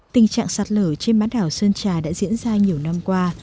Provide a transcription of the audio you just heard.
tình trạng sạt lở trên bán đảo sơn trà đã diễn ra nhiều năm qua